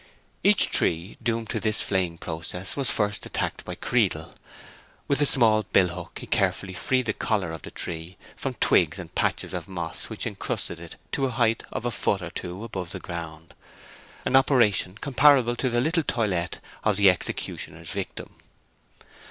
Each tree doomed to this flaying process was first attacked by Creedle. With a small billhook he carefully freed the collar of the tree from twigs and patches of moss which incrusted it to a height of a foot or two above the ground, an operation comparable to the "little toilet" of the executioner's victim.